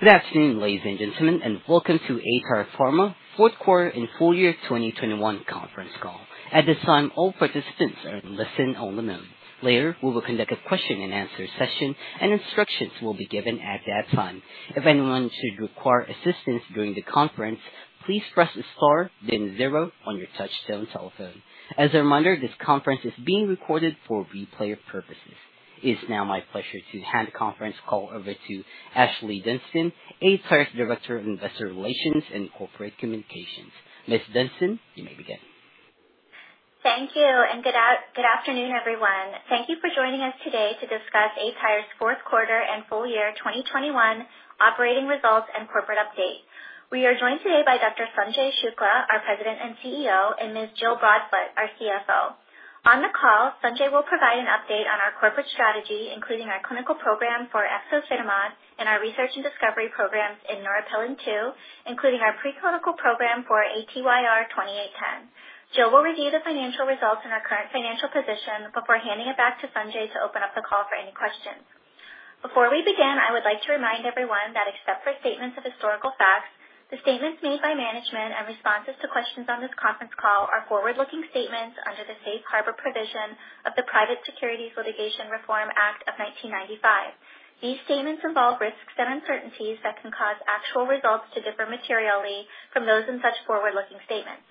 Good afternoon, ladies and gentlemen, and welcome to aTyr Pharma Q4 and full year 2021 conference call. At this time, all participants are in listen only mode. Later, we will conduct a question and answer session and instructions will be given at that time. If anyone should require assistance during the conference, please press star then zero on your touch-tone telephone. As a reminder, this conference is being recorded for replay purposes. It's now my pleasure to hand the conference call over to Ashlee Dunston, aTyr Director of Investor Relations and Corporate Communications. Ms. Dunston, you may begin. Thank you and good afternoon, everyone. Thank you for joining us today to discuss aTyr's Q4 and full year 2021 operating results and corporate update. We are joined today by Dr. Sanjay Shukla, our President and CEO, and Ms. Jill Broadfoot, our CFO. On the call, Sanjay will provide an update on our corporate strategy, including our clinical program for efzofitimod and our research and discovery programs in Neuropilin-2, including our preclinical program for ATYR2810. Jill will review the financial results and our current financial position before handing it back to Sanjay to open up the call for any questions. Before we begin, I would like to remind everyone that except for statements of historical facts, the statements made by management and responses to questions on this conference call are forward-looking statements under the Safe Harbor provision of the Private Securities Litigation Reform Act of 1995. These statements involve risks and uncertainties that can cause actual results to differ materially from those in such forward-looking statements.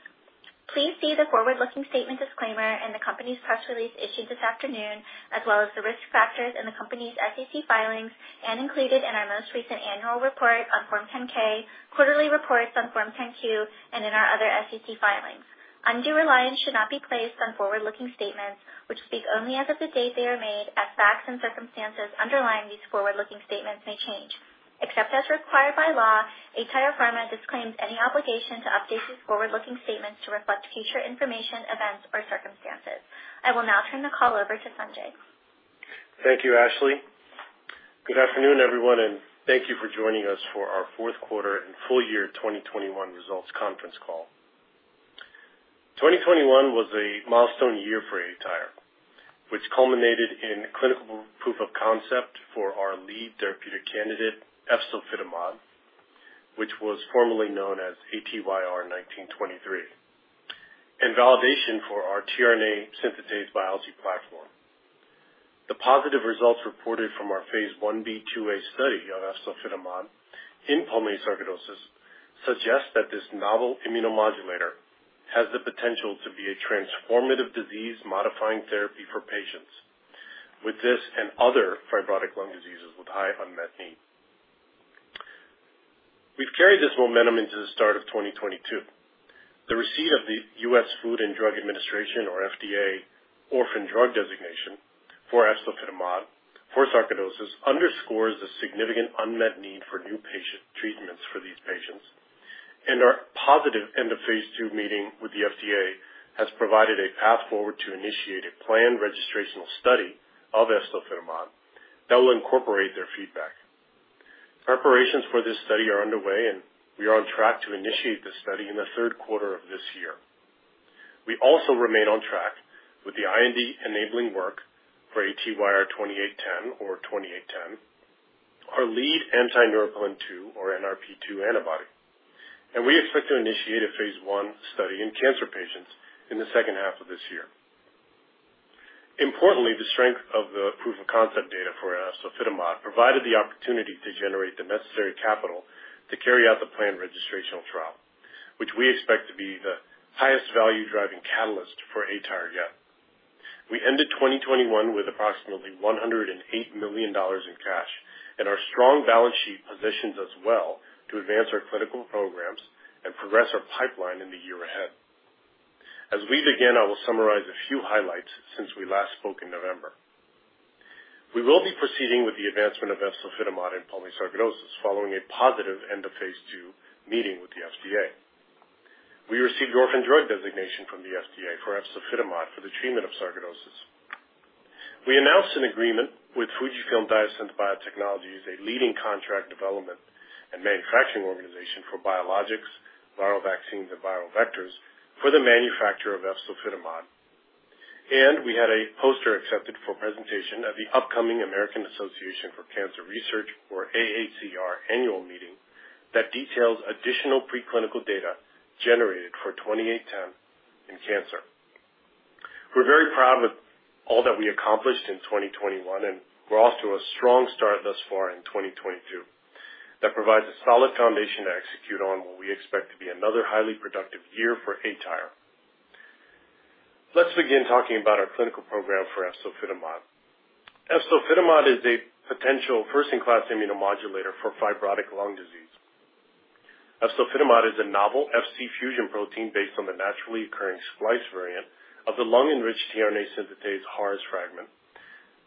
Please see the forward-looking statement disclaimer in the company's press release issued this afternoon, as well as the risk factors in the company's SEC filings and included in our most recent annual report on Form 10-K, quarterly reports on Form 10-Q, and in our other SEC filings. Undue reliance should not be placed on forward-looking statements which speak only as of the date they are made as facts and circumstances underlying these forward-looking statements may change. Except as required by law, aTyr Pharma disclaims any obligation to update these forward-looking statements to reflect future information, events or circumstances. I will now turn the call over to Sanjay. Thank you, Ashlee. Good afternoon, everyone, and thank you for joining us for our Q4 and full year 2021 results conference call. 2021 was a milestone year for aTyr, which culminated in clinical proof of concept for our lead therapeutic candidate, efzofitimod, which was formerly known as ATYR1923, and validation for our tRNA synthetase biology platform. The positive results reported from our phase I-B/II-A study on efzofitimod in pulmonary sarcoidosis suggests that this novel immunomodulator has the potential to be a transformative disease-modifying therapy for patients with this and other fibrotic lung diseases with high unmet need. We've carried this momentum into the start of 2022. The receipt of the U.S. Food and Drug Administration or FDA Orphan Drug Designation for efzofitimod for sarcoidosis underscores the significant unmet need for new patient treatments for these patients. Our positive end-of-phase II meeting with the FDA has provided a path forward to initiate a planned registrational study of efzofitimod that will incorporate their feedback. Preparations for this study are underway, and we are on track to initiate the study in the Q3 of this year. We also remain on track with the IND-enabling work for ATYR2810 or 2810, our lead anti-Neuropilin-2 or NRP-2 antibody, and we expect to initiate a phase I study in cancer patients in the second half of this year. Importantly, the strength of the proof of concept data for efzofitimod provided the opportunity to generate the necessary capital to carry out the planned registrational trial, which we expect to be the highest value-driving catalyst for aTyr yet. We ended 2021 with approximately $108 million in cash, and our strong balance sheet positions us well to advance our clinical programs and progress our pipeline in the year ahead. As we begin, I will summarize a few highlights since we last spoke in November. We will be proceeding with the advancement of efzofitimod in pulmonary sarcoidosis following a positive end of phase II meeting with the FDA. We received orphan drug designation from the FDA for efzofitimod for the treatment of sarcoidosis. We announced an agreement with FUJIFILM Diosynth Biotechnologies, a leading contract development and manufacturing organization for biologics, viral vaccines and viral vectors for the manufacture of efzofitimod. We had a poster accepted for presentation at the upcoming American Association for Cancer Research or AACR Annual Meeting that details additional preclinical data generated for ATYR2810 in cancer. We're very proud with all that we accomplished in 2021, and we're off to a strong start thus far in 2022. That provides a solid foundation to execute on what we expect to be another highly productive year for aTyr. Let's begin talking about our clinical program for efzofitimod. Efzofitimod is a potential first-in-class immunomodulator for fibrotic lung disease. Efzofitimod is a novel Fc-fusion protein based on the naturally occurring splice variant of the lung-enriched tRNA synthetase HARS fragment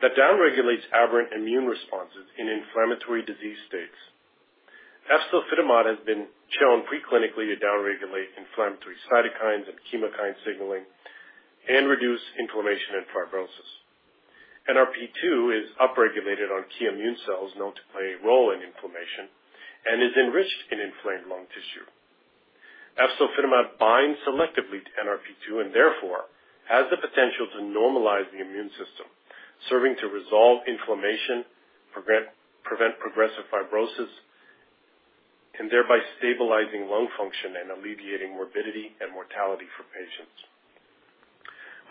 that downregulates aberrant immune responses in inflammatory disease states. Efzofitimod has been shown preclinically to downregulate inflammatory cytokines and chemokine signaling and reduce inflammation and fibrosis. NRP-2 is upregulated on key immune cells known to play a role in inflammation and is enriched in inflamed lung tissue. Efzofitimod binds selectively to NRP-2 and therefore has the potential to normalize the immune system, serving to resolve inflammation, prevent progressive fibrosis, and thereby stabilizing lung function and alleviating morbidity and mortality for patients.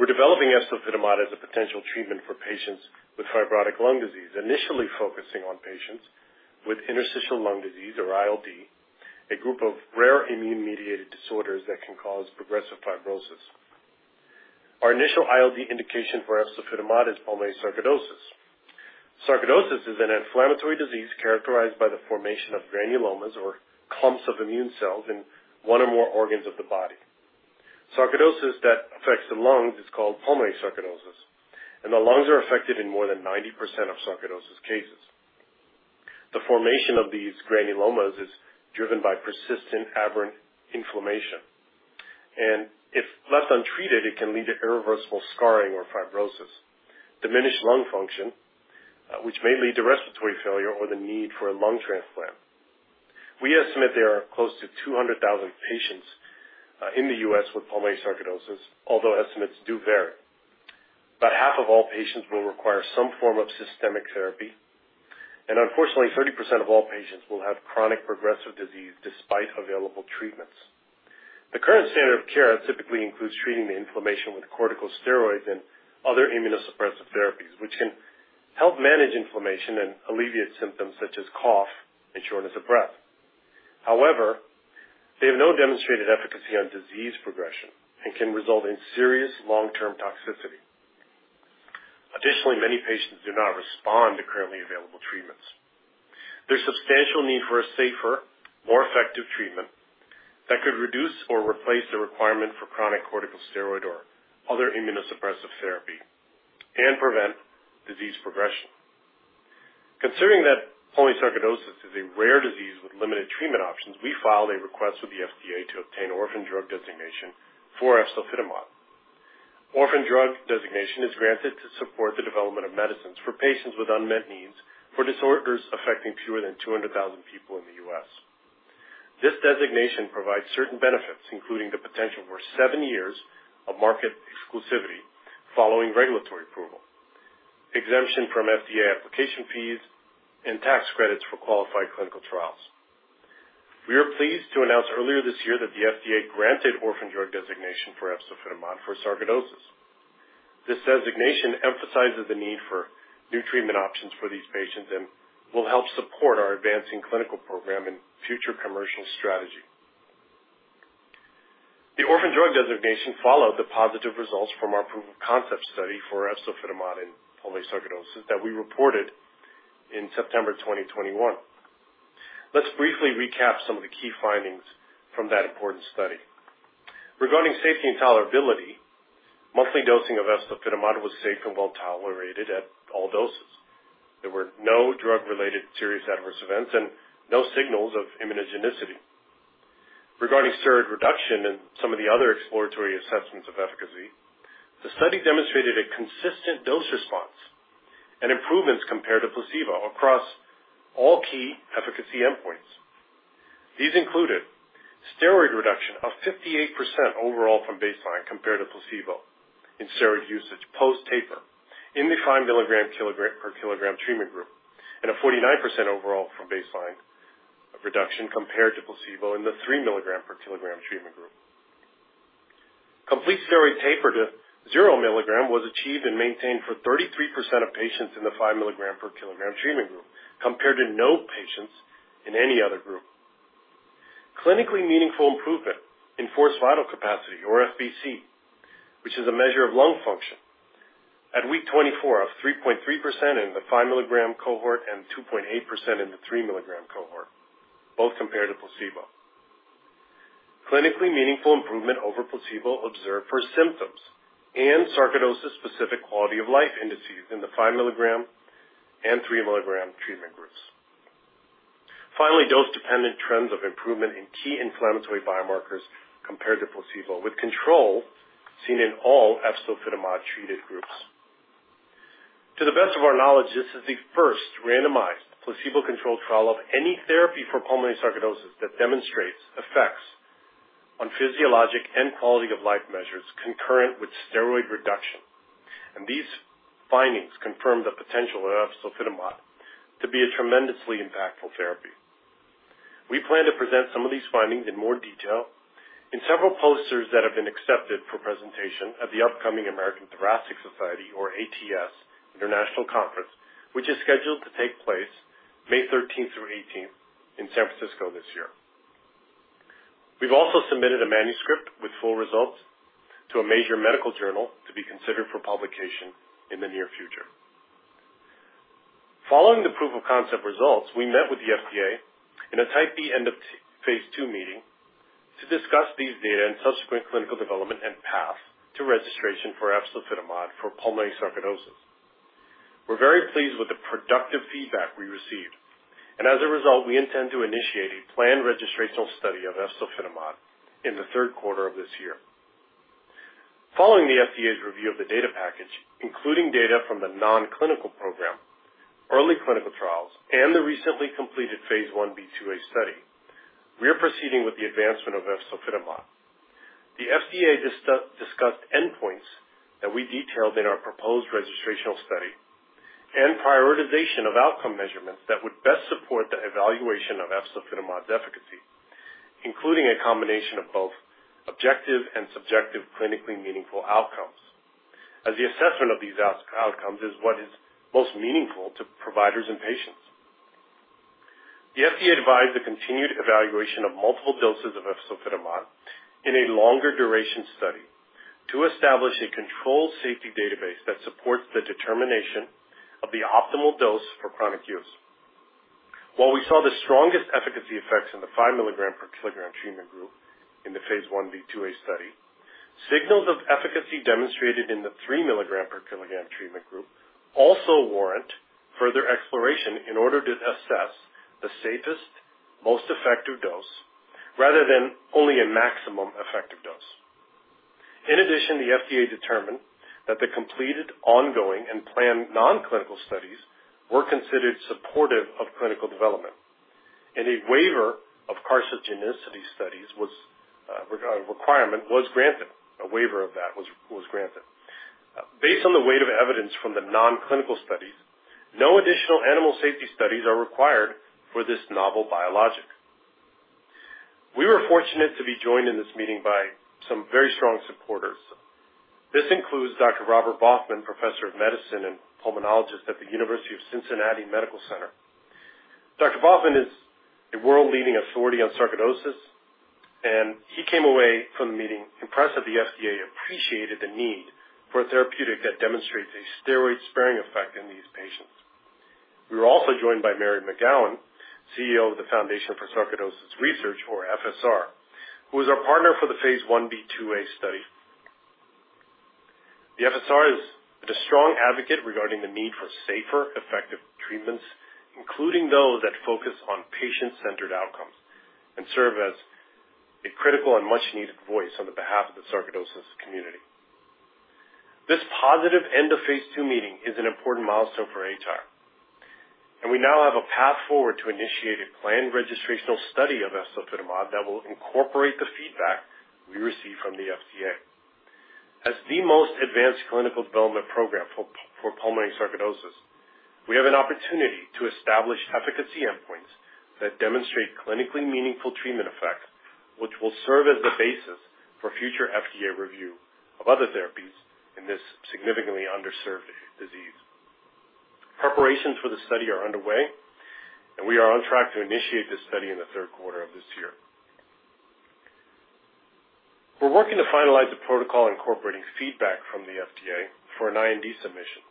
We're developing efzofitimod as a potential treatment for patients with fibrotic lung disease, initially focusing on patients with interstitial lung disease, or ILD, a group of rare immune-mediated disorders that can cause progressive fibrosis. Our initial ILD indication for efzofitimod is pulmonary sarcoidosis. Sarcoidosis is an inflammatory disease characterized by the formation of granulomas or clumps of immune cells in one or more organs of the body. Sarcoidosis that affects the lungs is called pulmonary sarcoidosis, and the lungs are affected in more than 90% of sarcoidosis cases. The formation of these granulomas is driven by persistent aberrant inflammation, and if left untreated, it can lead to irreversible scarring or fibrosis, diminished lung function, which may lead to respiratory failure or the need for a lung transplant. We estimate there are close to 200,000 patients in the U.S. with pulmonary sarcoidosis, although estimates do vary, but half of all patients will require some form of systemic therapy, and unfortunately 30% of all patients will have chronic progressive disease despite available treatments. The current standard of care typically includes treating the inflammation with corticosteroids and other immunosuppressive therapies, which can help manage inflammation and alleviate symptoms such as cough and shortness of breath. However, they have no demonstrated efficacy on disease progression and can result in serious long-term toxicity. Additionally, many patients do not respond to currently available treatments. There's substantial need for a safer, more effective treatment that could reduce or replace the requirement for chronic corticosteroid or other immunosuppressive therapy and prevent disease progression. Considering that pulmonary sarcoidosis is a rare disease with limited treatment options, we filed a request with the FDA to obtain Orphan Drug Designation for efzofitimod. Orphan Drug Designation is granted to support the development of medicines for patients with unmet needs for disorders affecting fewer than 200,000 people in the U.S. This designation provides certain benefits, including the potential for 7 years of market exclusivity following regulatory approval, exemption from FDA application fees, and tax credits for qualified clinical trials. We are pleased to announce earlier this year that the FDA granted Orphan Drug Designation for efzofitimod for sarcoidosis. This designation emphasizes the need for new treatment options for these patients and will help support our advancing clinical program and future commercial strategy. The Orphan Drug Designation followed the positive results from our proof of concept study for efzofitimod in pulmonary sarcoidosis that we reported in September 2021. Let's briefly recap some of the key findings from that important study. Regarding safety and tolerability, monthly dosing of efzofitimod was safe and well-tolerated at all doses. There were no drug-related serious adverse events and no signals of immunogenicity. Regarding steroid reduction and some of the other exploratory assessments of efficacy, the study demonstrated a consistent dose response and improvements compared to placebo across all key efficacy endpoints. These included steroid reduction of 58% overall from baseline compared to placebo in steroid usage post-taper in the 5 mg/kg treatment group, and a 49% overall from baseline of reduction compared to placebo in the 3 mg/kg treatment group. Complete steroid taper to 0 mg was achieved and maintained for 33% of patients in the 5 mg/kg treatment group, compared to no patients in any other group. Clinically meaningful improvement in forced vital capacity or FVC, which is a measure of lung function at week 24 of 3.3% in the 5 mg cohort and 2.8% in the 3 mg cohort, both compared to placebo. Clinically meaningful improvement over placebo observed for symptoms and sarcoidosis specific quality of life indices in the 5 mg and 3 mg treatment groups. Finally, dose-dependent trends of improvement in key inflammatory biomarkers compared to placebo, with control seen in all efzofitimod-treated groups. To the best of our knowledge, this is the first randomized placebo-controlled trial of any therapy for pulmonary sarcoidosis that demonstrates effects on physiologic and quality-of-life measures concurrent with steroid reduction, and these findings confirm the potential of efzofitimod to be a tremendously impactful therapy. We plan to present some of these findings in more detail in several posters that have been accepted for presentation at the upcoming American Thoracic Society, or ATS, International Conference, which is scheduled to take place May 13-May 18 in San Francisco this year. We've also submitted a manuscript with full results to a major medical journal to be considered for publication in the near future. Following the proof of concept results, we met with the FDA in a type D end-of-phase II meeting to discuss these data and subsequent clinical development and path to registration for efzofitimod for pulmonary sarcoidosis. We're very pleased with the productive feedback we received. As a result, we intend to initiate a planned registrational study of efzofitimod in the Q3 of this year. Following the FDA's review of the data package, including data from the non-clinical program, early clinical trials, and the recently completed phase I/II-A study, we are proceeding with the advancement of efzofitimod. The FDA discussed endpoints that we detailed in our proposed registrational study and prioritization of outcome measurements that would best support the evaluation of efzofitimod's efficacy, including a combination of both objective and subjective clinically meaningful outcomes, as the assessment of these outcomes is what is most meaningful to providers and patients. The FDA advised the continued evaluation of multiple doses of efzofitimod in a longer duration study to establish a controlled safety database that supports the determination of the optimal dose for chronic use. While we saw the strongest efficacy effects in the 5 mg/kg treatment group in the phase I/II-A study, signals of efficacy demonstrated in the 3 mg/kg treatment group also warrant further exploration in order to assess the safest, most effective dose rather than only a maximum effective dose. In addition, the FDA determined that the completed ongoing and planned non-clinical studies were considered supportive of clinical development, and a waiver of carcinogenicity studies requirement was granted. A waiver of that was granted. Based on the weight of evidence from the non-clinical studies, no additional animal safety studies are required for this novel biologic. We were fortunate to be joined in this meeting by some very strong supporters. This includes Dr. Robert Baughman, Professor of Medicine and Pulmonologist at the University of Cincinnati Medical Center. Dr. Baughman is a world-leading authority on sarcoidosis, and he came away from the meeting impressed that the FDA appreciated the need for a therapeutic that demonstrates a steroid-sparing effect in these patients. We were also joined by Mary McGowan, CEO of the Foundation for Sarcoidosis Research or FSR, who is our partner for the phase I/IIa study. The FSR is a strong advocate regarding the need for safer, effective treatments, including those that focus on patient-centered outcomes, and serve as a critical and much-needed voice on behalf of the sarcoidosis community. This positive end of phase II meeting is an important milestone for aTyr Pharma, and we now have a path forward to initiate a planned registrational study of efzofitimod that will incorporate the feedback we receive from the FDA. As the most advanced clinical development program for pulmonary sarcoidosis, we have an opportunity to establish efficacy endpoints that demonstrate clinically meaningful treatment effects, which will serve as the basis for future FDA review of other therapies in this significantly underserved disease. Preparations for the study are underway, and we are on track to initiate this study in the third quarter of this year. We're working to finalize the protocol, incorporating feedback from the FDA for an IND submission.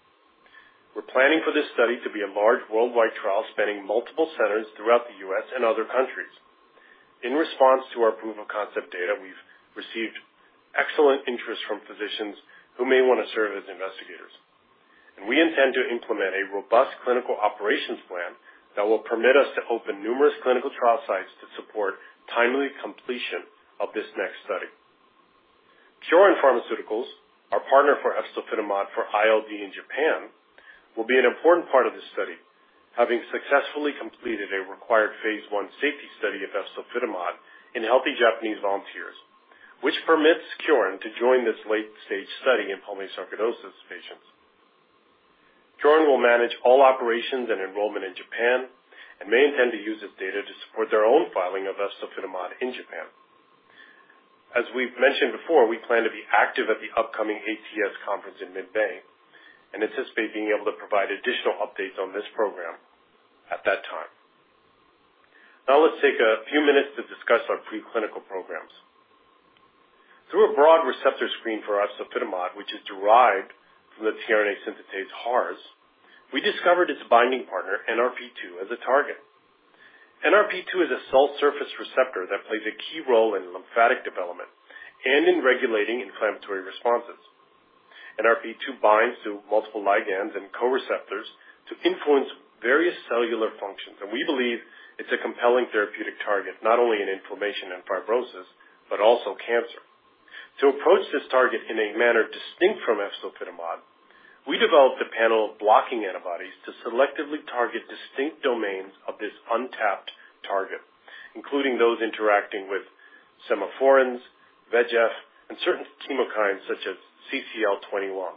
We're planning for this study to be a large worldwide trial, spanning multiple centers throughout the U.S. and other countries. In response to our proof of concept data, we've received excellent interest from physicians who may wanna serve as investigators, and we intend to implement a robust clinical operations plan that will permit us to open numerous clinical trial sites to support timely completion of this next study. Kyorin Pharmaceutical Co., Ltd., our partner for efzofitimod for ILD in Japan, will be an important part of this study, having successfully completed a required phase I safety study of efzofitimod in healthy Japanese volunteers, which permits Kyorin to join this late-stage study in pulmonary sarcoidosis patients. Kyorin will manage all operations and enrollment in Japan and may intend to use this data to support their own filing of efzofitimod in Japan. We've mentioned before, we plan to be active at the upcoming ATS conference in mid-May and anticipate being able to provide additional updates on this program at that time. Now let's take a few minutes to discuss our preclinical programs. Through a broad receptor screen for efzofitimod, which is derived from the tRNA synthetase HARS, we discovered its binding partner NRP-2 as a target. NRP-2 is a cell surface receptor that plays a key role in lymphatic development and in regulating inflammatory responses. NRP-2 binds to multiple ligands and co-receptors to influence various cellular functions, and we believe it's a compelling therapeutic target, not only in inflammation and fibrosis, but also cancer. To approach this target in a manner distinct from efzofitimod, we developed a panel of blocking antibodies to selectively target distinct domains of this untapped target, including those interacting with semaphorins, VEGF, and certain chemokines such as CCL21.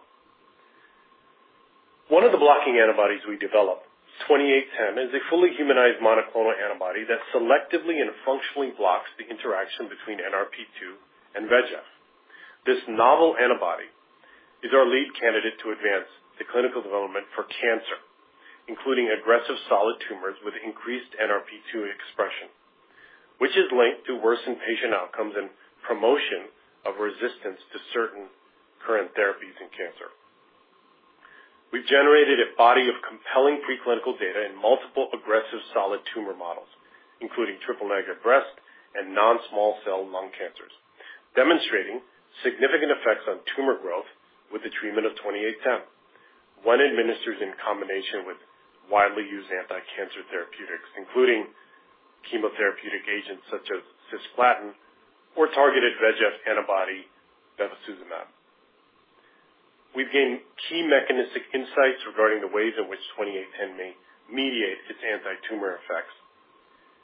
One of the blocking antibodies we developed, ATYR2810, is a fully humanized monoclonal antibody that selectively and functionally blocks the interaction between NRP-2 and VEGF. This novel antibody is our lead candidate to advance the clinical development for cancer, including aggressive solid tumors with increased NRP-2 expression, which is linked to worsened patient outcomes and promotion of resistance to certain current therapies in cancer. We've generated a body of compelling preclinical data in multiple aggressive solid tumor models, including triple-negative breast cancer and non-small cell lung cancers, demonstrating significant effects on tumor treatment of ATYR2810. It is administered in combination with widely used anticancer therapeutics, including chemotherapeutic agents such as cisplatin or targeted VEGF antibody bevacizumab. We've gained key mechanistic insights regarding the ways in which ATYR2810 may mediate its antitumor effects,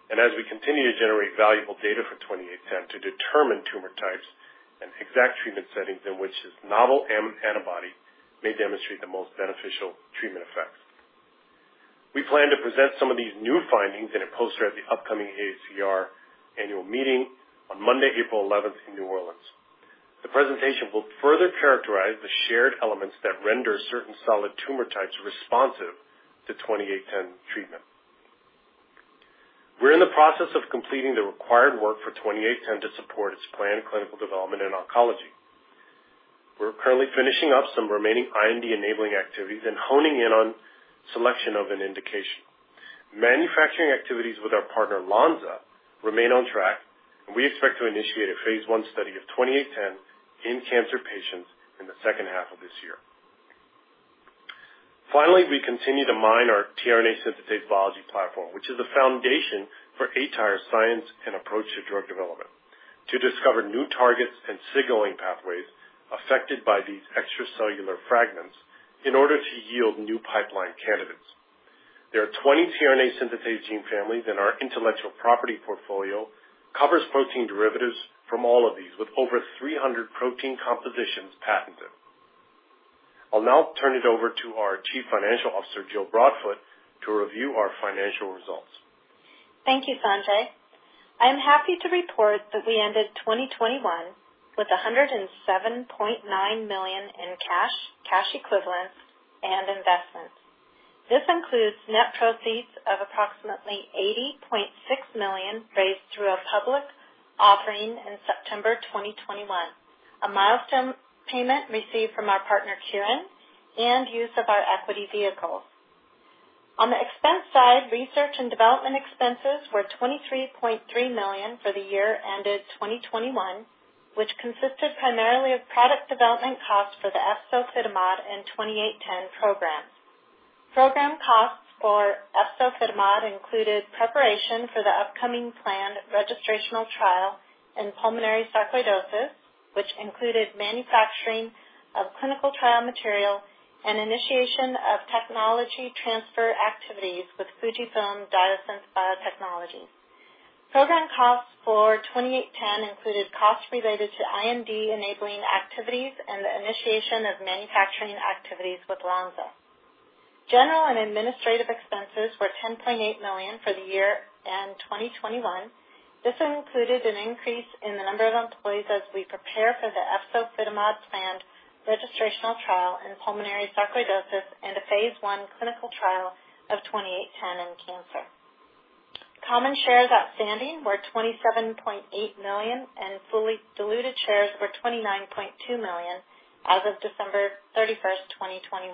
and as we continue to generate valuable data for ATYR2810 to determine tumor types and exact treatment settings in which this novel monoclonal antibody may demonstrate the most beneficial treatment effects. We plan to present some of these new findings in a poster at the upcoming AACR annual meeting on Monday, April 11 in New Orleans. The presentation will further characterize the shared elements that render certain solid tumor types responsive to ATYR2810 treatment. We're in the process of completing the required work for ATYR2810 to support its planned clinical development in oncology. We're currently finishing up some remaining IND-enabling activities and honing in on selection of an indication. Manufacturing activities with our partner, Lonza, remain on track, and we expect to initiate a phase I study of ATYR2810 in cancer patients in the second half of this year. Finally, we continue to mine our tRNA synthetase biology platform, which is the foundation for aTyr science and approach to drug development, to discover new targets and signaling pathways affected by these extracellular fragments in order to yield new pipeline candidates. There are 20 tRNA synthetase gene families, and our intellectual property portfolio covers protein derivatives from all of these, with over 300 protein compositions patented. I'll now turn it over to our Chief Financial Officer, Jill Broadfoot, to review our financial results. Thank you, Sanjay. I am happy to report that we ended 2021 with $107.9 million in cash equivalents, and investments. This includes net proceeds of approximately $80.6 million raised through a public offering in September 2021, a milestone payment received from our partner Kyorin, and use of our equity vehicles. On the expense side, research and development expenses were $23.3 million for the year ended 2021, which consisted primarily of product development costs for the efzofitimod and ATYR2810 programs. Program costs for efzofitimod included preparation for the upcoming planned registrational trial in pulmonary sarcoidosis, which included manufacturing of clinical trial material and initiation of technology transfer activities with FUJIFILM Diosynth Biotechnologies. Program costs for ATYR2810 included costs related to IND-enabling activities and the initiation of manufacturing activities with Lonza. General and administrative expenses were $10.8 million for the year ended 2021. This included an increase in the number of employees as we prepare for the efzofitimod planned registrational trial in pulmonary sarcoidosis and a phase I clinical trial of ATYR2810 in cancer. Common shares outstanding were $27.8 million, and fully diluted shares were $29.2 million as of December 31, 2021.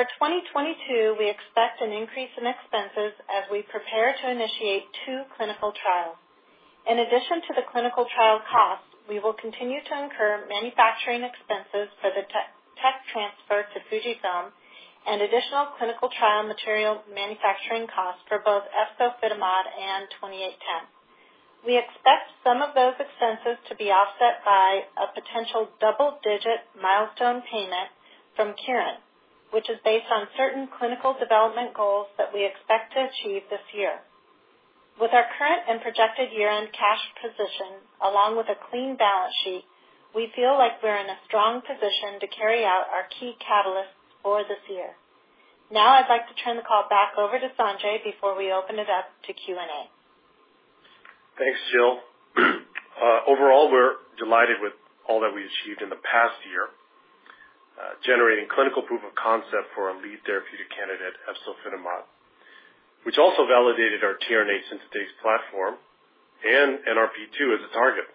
For 2022, we expect an increase in expenses as we prepare to initiate two clinical trials. In addition to the clinical trial costs, we will continue to incur manufacturing expenses for the tech transfer to FUJIFILM and additional clinical trial material manufacturing costs for both efzofitimod and ATYR2810. We expect some of those expenses to be offset by a potential double-digit milestone payment from Kyorin, which is based on certain clinical development goals that we expect to achieve this year. With our current and projected year-end cash position, along with a clean balance sheet, we feel like we're in a strong position to carry out our key catalysts for this year. Now, I'd like to turn the call back over to Sanjay before we open it up to Q&A. Thanks, Jill. Overall, we're delighted with all that we achieved in the past year, generating clinical proof of concept for our lead therapeutic candidate efzofitimod, which also validated our tRNA synthetase platform and NRP2 as a target.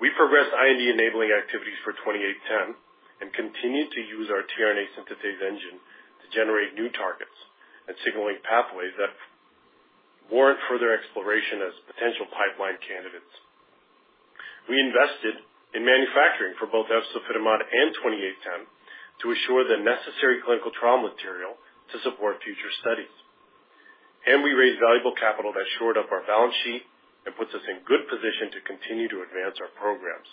We progressed IND-enabling activities for 2810 and continued to use our tRNA synthetase engine to generate new targets and signaling pathways that warrant further exploration as potential pipeline candidates. We invested in manufacturing for both efzofitimod and 2810 to assure the necessary clinical trial material to support future studies, and we raised valuable capital that shored up our balance sheet and puts us in good position to continue to advance our programs.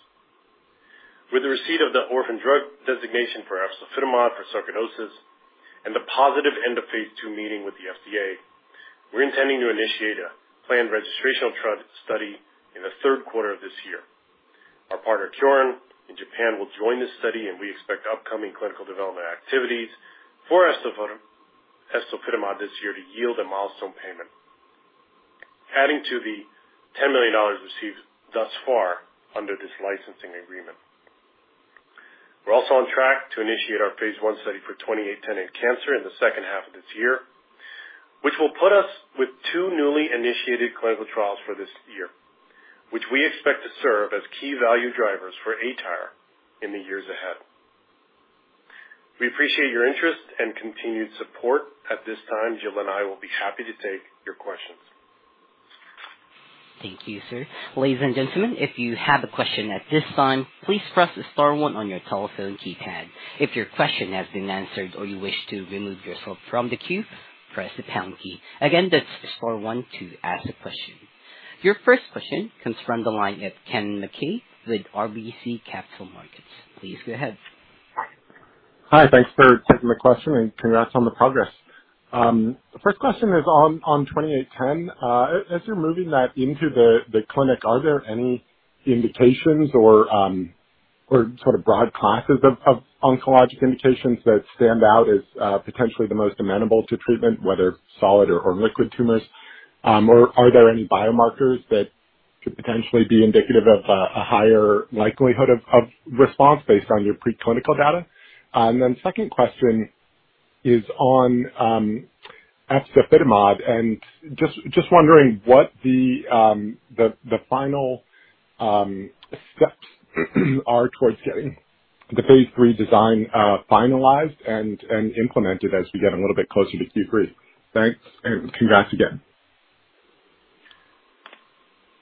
With the receipt of the Orphan Drug Designation for efzofitimod for sarcoidosis and the positive end-of-phase II meeting with the FDA, we're intending to initiate a planned registrational trial study in the Q3 of this year. Our partner, Kyorin, in Japan will join this study, and we expect upcoming clinical development activities for efzofitimod this year to yield a milestone payment, adding to the $10 million received thus far under this licensing agreement. We're also on track to initiate our phase I study for ATYR2810 in cancer in the H2 of this year, which will put us with two newly initiated clinical trials for this year, which we expect to serve as key value drivers for aTyr in the years ahead. We appreciate your interest and continued support. At this time, Jill and I will be happy to take your questions. Thank you, sir. Ladies and gentlemen, if you have a question at this time, please press star one on your telephone keypad. If your question has been answered or you wish to remove yourself from the queue, press the pound key. Again, that's star one to ask a question. Your first question comes from the line of Kennen MacKay with RBC Capital Markets. Please go ahead. Hi. Thanks for taking the question, and congrats on the progress. The first question is on ATYR2810. As you're moving that into the clinic, are there any indications or sort of broad classes of oncologic indications that stand out as potentially the most amenable to treatment, whether solid or liquid tumors? Or are there any biomarkers that could potentially be indicative of a higher likelihood of response based on your preclinical data? Second question is on efzofitimod, and just wondering what the final steps are towards getting the phase III design finalized and implemented as we get a little bit closer to Q3. Thanks, and congrats again.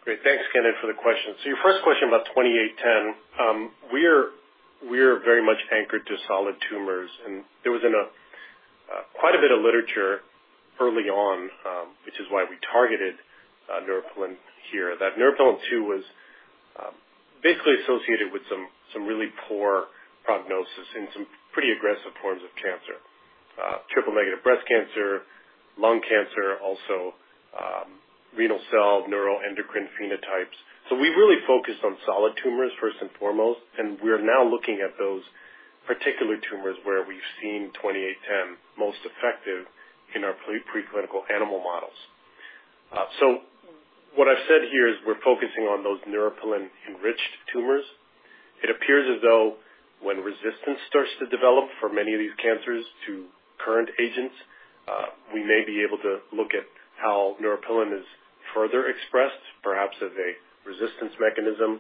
Great. Thanks, Kennen, for the question. Your first question about 2810. We're very much anchored to solid tumors, and there was quite a bit of literature early on, which is why we targeted neuropilin here. That Neuropilin-2 was basically associated with some really poor prognosis and some pretty aggressive forms of cancer, triple-negative breast cancer, lung cancer, also renal cell neuroendocrine phenotypes. We really focus on solid tumors first and foremost, and we're now looking at those particular tumors where we've seen 2810 most effective in our preclinical animal models. What I've said here is we're focusing on those Neuropilin-2-enriched tumors. It appears as though when resistance starts to develop for many of these cancers to current agents, we may be able to look at how neuropilin is further expressed, perhaps as a resistance mechanism.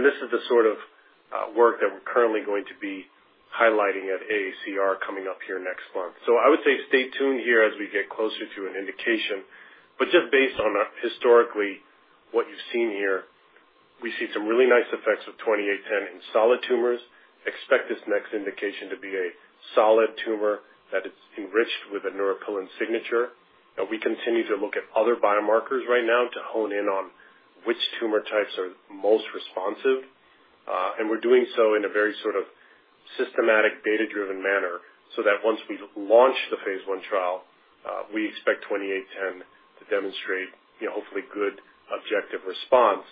This is the sort of work that we're currently going to be highlighting at AACR coming up here next month. I would say stay tuned here as we get closer to an indication. Just based on historically what you've seen here, we see some really nice effects of ATYR2810 in solid tumors. Expect this next indication to be a solid tumor that is enriched with a neuropilin signature. Now we continue to look at other biomarkers right now to hone in on which tumor types are most responsive. We're doing so in a very sort of systematic, data-driven manner, so that once we launch the phase I trial, we expect ATYR2810 to demonstrate, you know, hopefully good objective response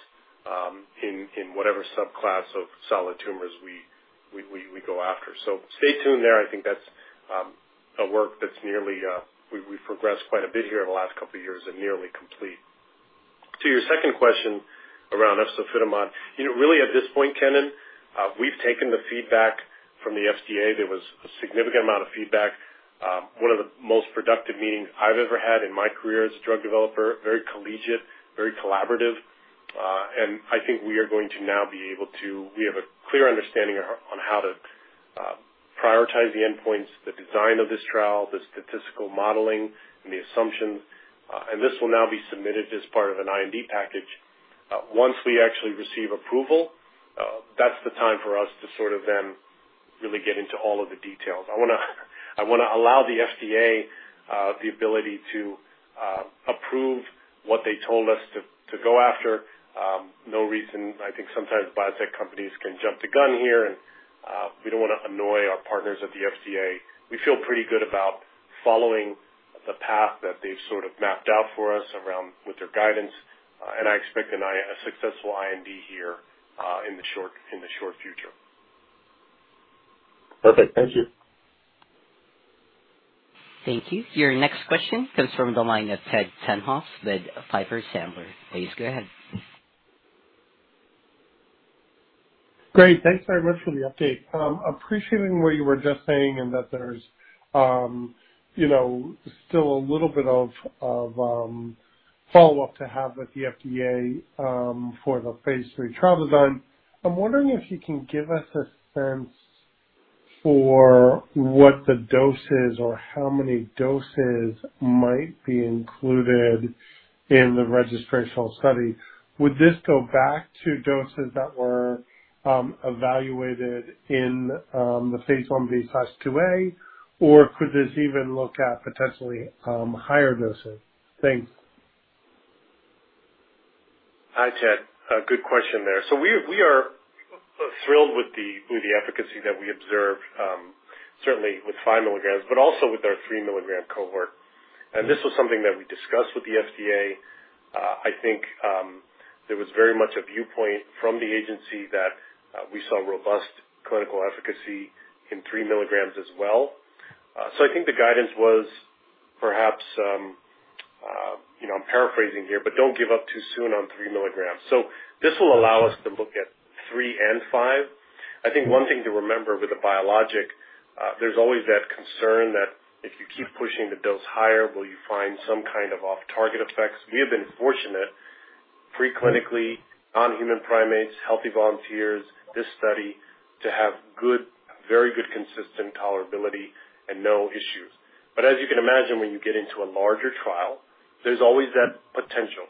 in whatever subclass of solid tumors we go after. Stay tuned there. I think that's a work that's nearly complete. We've progressed quite a bit here in the last couple of years. To your second question around efzofitimod. You know, really at this point, Kennen, we've taken the feedback from the FDA. There was a significant amount of feedback. One of the most productive meetings I've ever had in my career as a drug developer. Very collegiate, very collaborative. I think we are going to now be able to. We have a clear understanding on how to prioritize the endpoints, the design of this trial, the statistical modeling and the assumptions. This will now be submitted as part of an IND package. Once we actually receive approval, that's the time for us to sort of then really get into all of the details. I wanna allow the FDA the ability to approve what they told us to go after. No reason. I think sometimes biotech companies can jump the gun here, and we don't wanna annoy our partners at the FDA. We feel pretty good about following the path that they've sort of mapped out for us in accordance with their guidance. I expect a successful IND here in the short future. Perfect. Thank you. Thank you. Your next question comes from the line of Ted Tenthoff with Piper Sandler. Please go ahead. Great. Thanks very much for the update. Appreciating what you were just saying and that there's, you know, still a little bit of follow-up to have with the FDA for the phase III trial design. I'm wondering if you can give us a sense for what the doses or how many doses might be included in the registrational study. Would this go back to doses that were evaluated in the phase Ib plus IIa, or could this even look at potentially higher doses? Thanks. Hi, Ted. A good question there. We are thrilled with the efficacy that we observed, certainly with 5 mg, but also with our 3 mg cohort. This was something that we discussed with the FDA. I think there was very much a viewpoint from the agency that we saw robust clinical efficacy in 3 mg as well. I think the guidance was perhaps, I'm paraphrasing here, but don't give up too soon on 3 mg. This will allow us to look at 3 and 5. I think one thing to remember with the biologic, there's always that concern that if you keep pushing the dose higher, will you find some kind of off-target effects? We have been fortunate pre-clinically in non-human primates, healthy volunteers, this study, to have good, very good, consistent tolerability and no issues. As you can imagine, when you get into a larger trial, there's always that potential.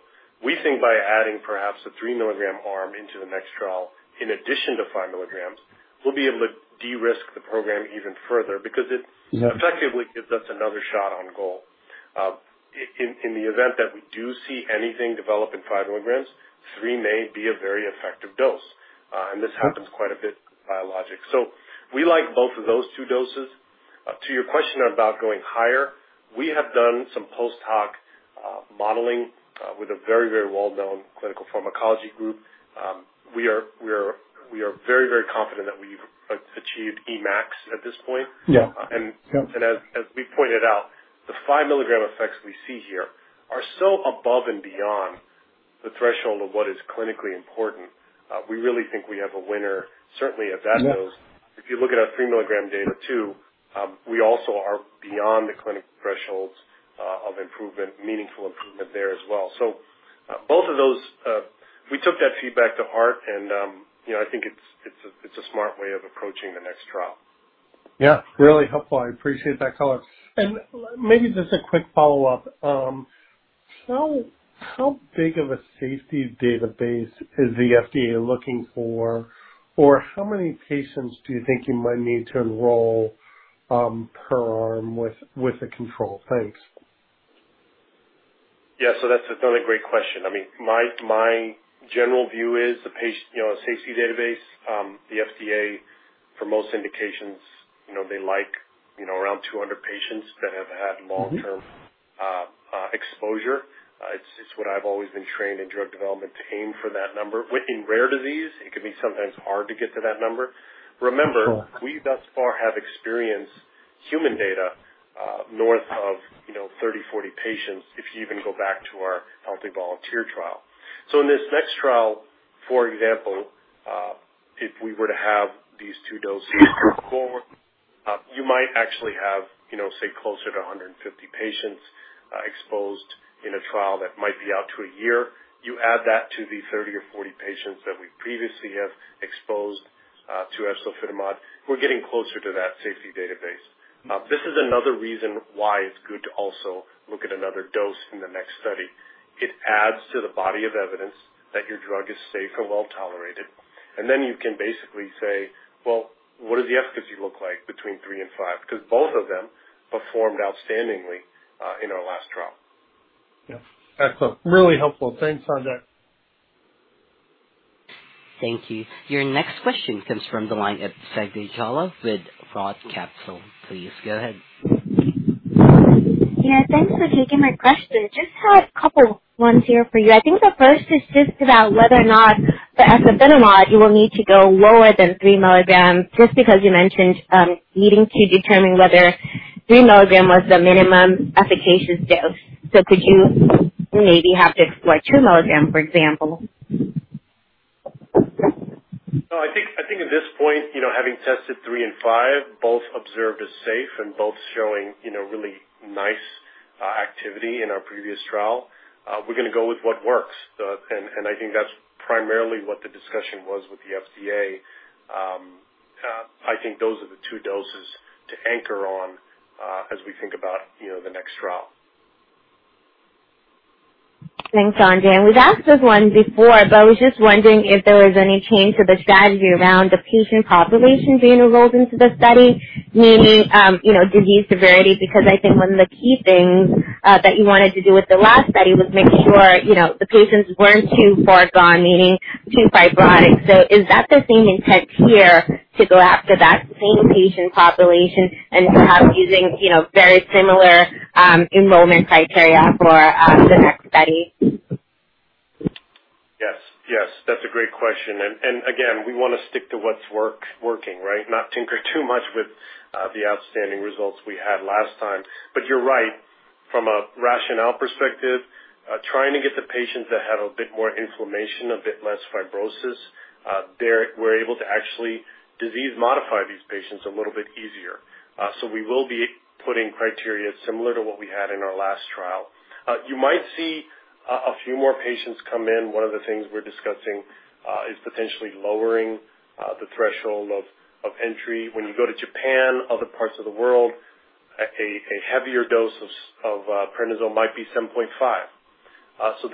We think by adding perhaps a 3 mg arm into the next trial, in addition to 5 mg, we'll be able to de-risk the program even further because it- Yeah. effectively gives us another shot on goal. In the event that we do see anything develop in 5 mg, 3 may be a very effective dose. This happens quite a bit with biologics. We like both of those 2 doses. To your question about going higher, we have done some post-hoc modeling with a very well-known clinical pharmacology group. We are very confident that we've achieved Emax at this point. Yeah. As we pointed out, the 5 mg effects we see here are so above and beyond the threshold of what is clinically important. We really think we have a winner, certainly at that dose. Yeah. If you look at our 3 mg data too, we also are beyond the clinical thresholds of improvement, meaningful improvement there as well. Both of those. We took that feedback to heart and, you know, I think it's a smart way of approaching the next trial. Yeah, really helpful. I appreciate that color. Maybe just a quick follow-up. How big of a safety database is the FDA looking for? Or how many patients do you think you might need to enroll per arm with the control? Thanks. Yeah, that's another great question. I mean, my general view is the, you know, safety database, the FDA for most indications, you know, they like, you know, around 200 patients that have had long-term Mm-hmm. Exposure. It's what I've always been trained in drug development to aim for that number. In rare disease, it can sometimes be hard to get to that number. Sure. Remember, we thus far have experienced human data north of, you know, 30, 40 patients, if you even go back to our healthy volunteer trial. In this next trial, for example, if we were to have these two doses go forward, you might actually have, you know, say, closer to 150 patients exposed in a trial that might be out to a year. You add that to the 30 or 40 patients that we previously have exposed to efzofitimod, we're getting closer to that safety database. This is another reason why it's good to also look at another dose in the next study. It adds to the body of evidence that your drug is safe and well-tolerated. You can basically say, "Well, what does the efficacy look like between 3 and 5?" 'Cause both of them performed outstandingly in our last trial. Yeah. Excellent. Really helpful. Thanks, Sanjay. Thank you. Your next question comes from the line of Zegbeh Jallah with ROTH Capital. Please go ahead. Yeah, thanks for taking my question. Just have a couple ones here for you. I think the first is just about whether or not the efzofitimod will need to go lower than 3 mg just because you mentioned needing to determine whether 3 mg was the minimum efficacious dose. Could you maybe have to explore 2 mg, for example? No, I think at this point, you know, having tested 3 and 5, both observed as safe and both showing, you know, really nice activity in our previous trial, we're gonna go with what works. I think that's primarily what the discussion was with the FDA. I think those are the two doses to anchor on, as we think about, you know, the next trial. Thanks, Sanjay. We've asked this one before, but I was just wondering if there was any change to the strategy around the patient population being enrolled into the study, meaning, you know, disease severity, because I think one of the key things that you wanted to do with the last study was make sure, you know, the patients weren't too far gone, meaning too fibrotic. Is that the same intent here to go after that same patient population and perhaps using, you know, very similar, enrollment criteria for the next study? Yes. Yes, that's a great question. Again, we wanna stick to what's working, right? Not tinker too much with the outstanding results we had last time. You're right. From a rationale perspective, trying to get the patients that have a bit more inflammation, a bit less fibrosis, there, we're able to actually disease modify these patients a little bit easier. We will be putting criteria similar to what we had in our last trial. You might see a few more patients come in. One of the things we're discussing is potentially lowering the threshold of entry. When you go to Japan, other parts of the world, a heavier dose of prednisone might be 7.5.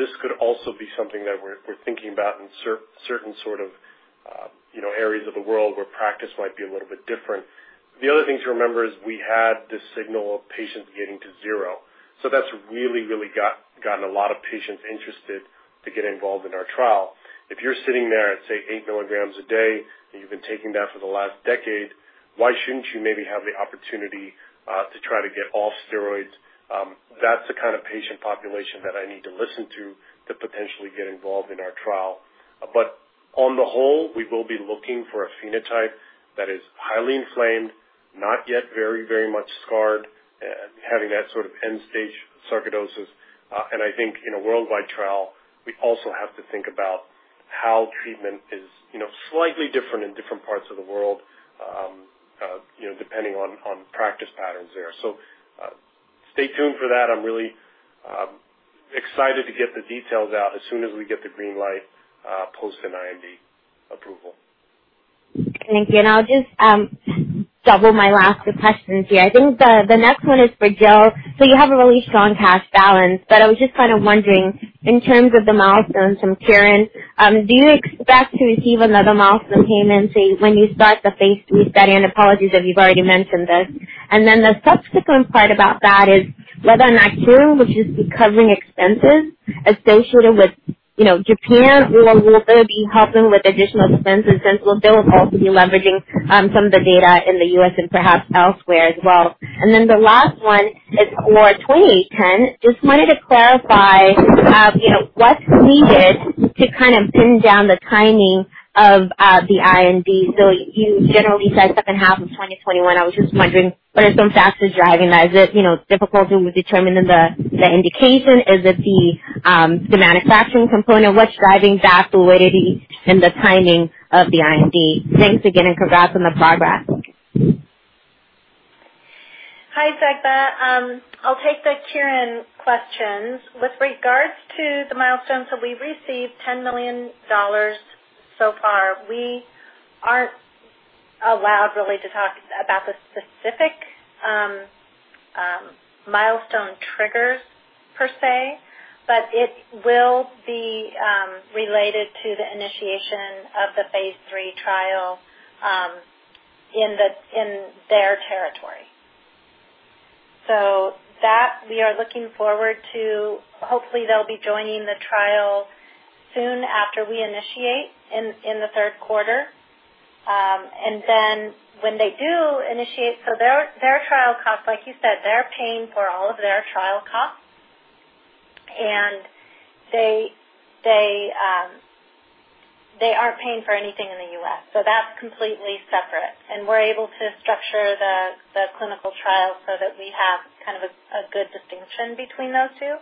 This could also be something that we're thinking about in certain sort of, you know, areas of the world where practice might be a little bit different. The other thing to remember is we had this signal of patients getting to zero. That's really gotten a lot of patients interested to get involved in our trial. If you're sitting there at, say, 8 mg a day, and you've been taking that for the last decade, why shouldn't you maybe have the opportunity to try to get off steroids? That's the kind of patient population that I need to listen to potentially get involved in our trial. On the whole, we will be looking for a phenotype that is highly inflamed, not yet very much scarred, having that sort of end-stage sarcoidosis. I think in a worldwide trial, we also have to think about how treatment is, you know, slightly different in different parts of the world, depending on practice patterns there. Stay tuned for that. I'm really excited to get the details out as soon as we get the green light, post an IND approval. Thank you. I'll just double my last questions here. I think the next one is for Jill. You have a really strong cash balance, but I was just kind of wondering, in terms of the milestones from Kyorin, do you expect to receive another milestone payment, say, when you start the phase III study? Apologies if you've already mentioned this. Then the subsequent part about that is whether or not Kyorin, which is covering expenses associated with, you know, Japan, will also be helping with additional expenses since aTyr Pharma will also be leveraging some of the data in the U.S. and perhaps elsewhere as well. Then the last one is for 2810. Just wanted to clarify, you know, what's needed to kind of pin down the timing of the IND. You generally said H2 of 2021. I was just wondering what are some factors driving that? Is it, you know, difficulty with determining the indication? Is it the manufacturing component? What's driving that fluidity and the timing of the IND? Thanks again and congrats on the progress. Hi, Zegbeh. I'll take the Kyorin questions. With regards to the milestones that we've received, $10 million so far, we aren't allowed really to talk about the specific milestone triggers per se, but it will be related to the initiation of the phase III trial in their territory. That we are looking forward to. Hopefully they'll be joining the trial soon after we initiate in the Q3. When they do initiate, their trial costs, like you said, they're paying for all of their trial costs. They aren't paying for anything in the U.S., so that's completely separate. We're able to structure the clinical trial so that we have kind of a good distinction between those two.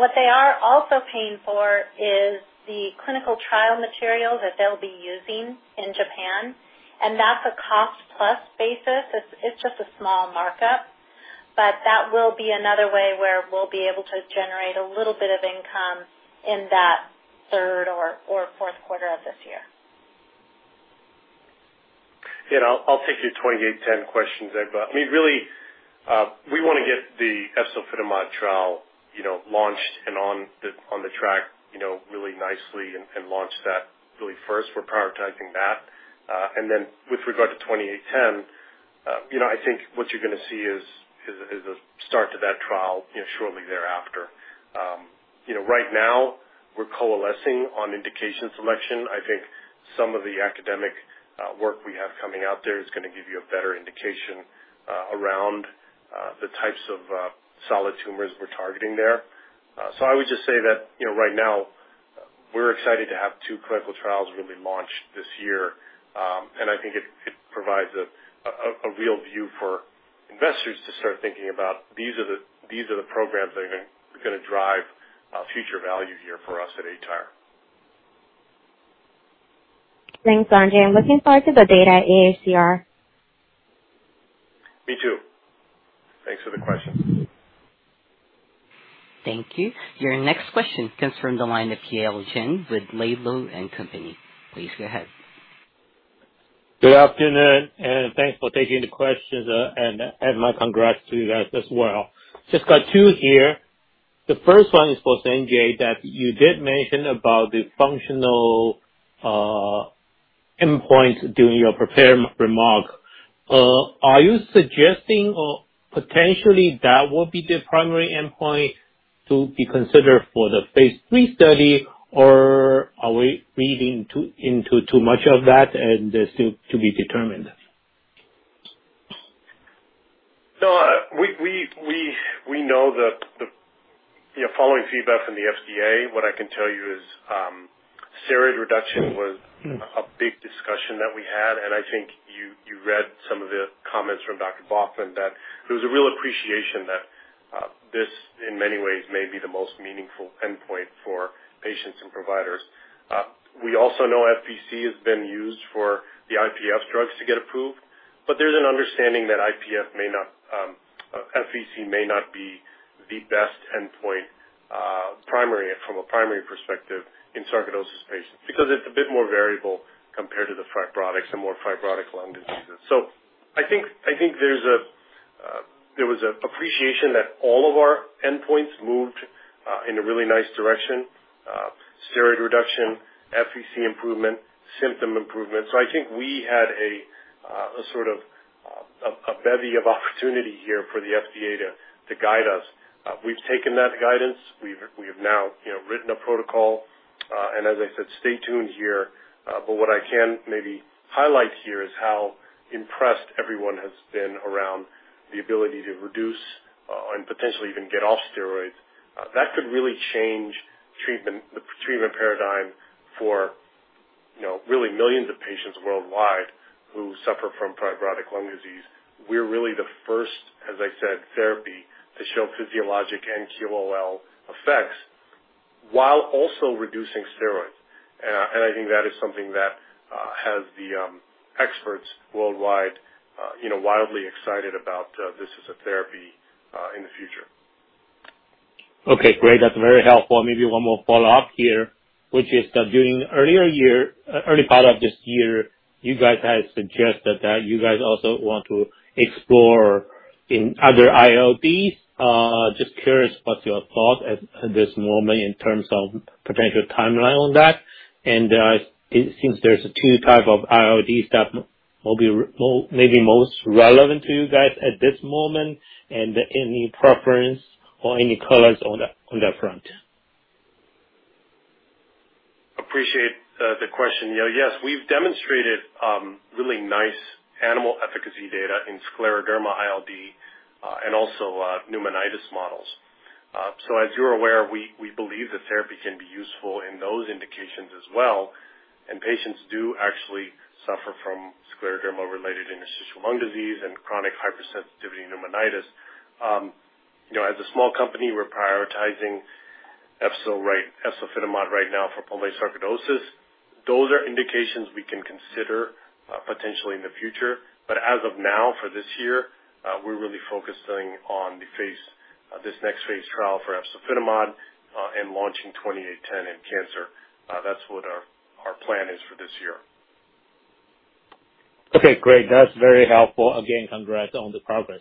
What they are also paying for is the clinical trial material that they'll be using in Japan, and that's a cost plus basis. It's just a small markup. That will be another way where we'll be able to generate a little bit of income in that third or fourth quarter of this year. I'll take your 2810 question, Zegbeh. I mean, really, we wanna get the efzofitimod trial, you know, launched and on the track, you know, really nicely and launch that really first. We're prioritizing that. With regard to 2810, you know, I think what you're gonna see is a start to that trial, you know, shortly thereafter. You know, right now we're coalescing on indication selection. I think some of the academic work we have coming out there is gonna give you a better indication around the types of solid tumors we're targeting there. I would just say that, you know, right now we're excited to have two clinical trials really launch this year. I think it provides a real view for investors to start thinking about these are the programs that are gonna drive future value here for us at aTyr. Thanks, Sanjay. I'm looking forward to the data at AACR. Me too. Thanks for the question. Thank you. Your next question comes from the line of Yale Jen with Laidlaw & Company. Please go ahead. Good afternoon, and thanks for taking the questions. My congrats to you guys as well. Just got two here. The first one is for Sanjay, that you did mention about the functional endpoints during your prepared remark. Are you suggesting or potentially that will be the primary endpoint to be considered for the phase III study, or are we reading too much into that and still to be determined? We know that. You know, following feedback from the FDA, what I can tell you is, steroid reduction was a big discussion that we had, and I think you read some of the comments from Dr. Baughman that there was a real appreciation that, this in many ways may be the most meaningful endpoint for patients and providers. We also know FVC has been used for the IPF drugs to get approved, but there's an understanding that FVC may not be the best endpoint, from a primary perspective in sarcoidosis patients, because it's a bit more variable compared to the fibrotic, some more fibrotic lung diseases. I think there was an appreciation that all of our endpoints moved in a really nice direction, steroid reduction, FVC improvement, symptom improvement. I think we had a sort of a bevy of opportunity here for the FDA to guide us. We've taken that guidance. We have now, you know, written a protocol. As I said, stay tuned here. But what I can maybe highlight here is how impressed everyone has been around the ability to reduce and potentially even get off steroids. That could really change the treatment paradigm for, you know, really millions of patients worldwide who suffer from fibrotic lung disease. We're really the first, as I said, therapy to show physiologic and QOL effects while also reducing steroids. I think that is something that has the experts worldwide, you know, wildly excited about this as a therapy in the future. Okay, great. That's very helpful. Maybe one more follow-up here, which is that during early part of this year, you guys had suggested that you guys also want to explore in other ILDs. Just curious what's your thought at this moment in terms of potential timeline on that. Since there's two type of ILDs that will be maybe most relevant to you guys at this moment, and any preference or any colors on that front. I appreciate the question. Yeah. Yes, we've demonstrated really nice animal efficacy data in scleroderma-associated ILD and also pneumonitis models. So as you're aware, we believe the therapy can be useful in those indications as well, and patients do actually suffer from scleroderma-related interstitial lung disease and chronic hypersensitivity pneumonitis. You know, as a small company, we're prioritizing efzofitimod right now for pulmonary sarcoidosis. Those are indications we can consider potentially in the future. But as of now, for this year, we're really focusing on this next phase trial for efzofitimod and launching ATYR2810 in cancer. That's what our plan is for this year. Okay, great. That's very helpful. Again, congrats on the progress.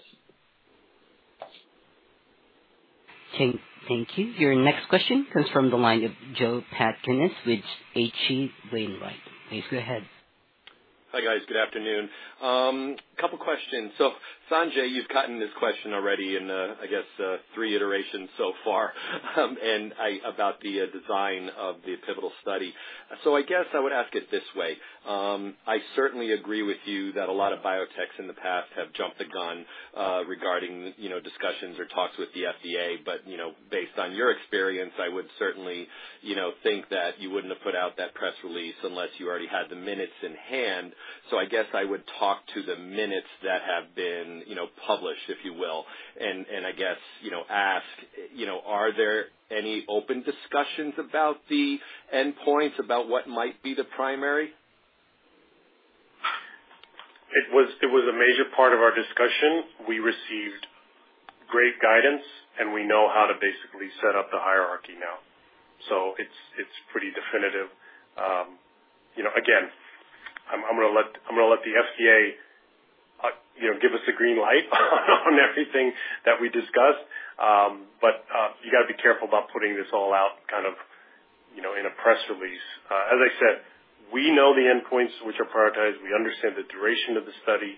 Thank you. Your next question comes from the line of Joe Pantginis with H.C. Wainwright. Please go ahead. Hi, guys. Good afternoon. Couple questions. Sanjay, you've gotten this question already in, I guess, three iterations so far, about the design of the pivotal study. I guess I would ask it this way. I certainly agree with you that a lot of biotechs in the past have jumped the gun, regarding, you know, discussions or talks with the FDA. You know, based on your experience, I would certainly, you know, think that you wouldn't have put out that press release unless you already had the minutes in hand. I guess I would talk to the minutes that have been, you know, published, if you will. I guess, you know, ask, you know, are there any open discussions about the endpoints, about what might be the primary? It was a major part of our discussion. We received great guidance, and we know how to basically set up the hierarchy now. It's pretty definitive. You know, again, I'm gonna let the FDA you know give us the green light on everything that we discussed. You gotta be careful about putting this all out kind of, you know, in a press release. As I said, we know the endpoints which are prioritized. We understand the duration of the study.